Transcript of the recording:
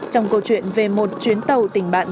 trong câu chuyện về một chuyến tàu tình bạn